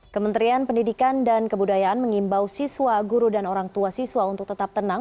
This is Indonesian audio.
kementerian pendidikan dan kebudayaan mengimbau siswa guru dan orang tua siswa untuk tetap tenang